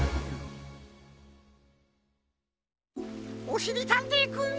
おしりたんていくん！